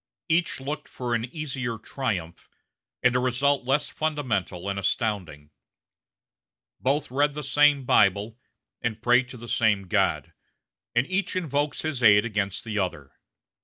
Each looked for an easier triumph, and a result less fundamental and astounding. Both read the same Bible, and pray to the same God; and each invokes his aid against the other.